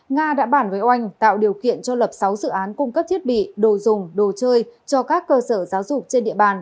nga đã bản với oanh tạo điều kiện cho lập sáu dự án cung cấp thiết bị đồ dùng đồ chơi cho các cơ sở giáo dục trên địa bàn